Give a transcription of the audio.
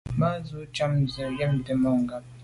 Bag ba shun tshàm se’ njwimte mà ngab.